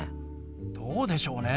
どうでしょうね。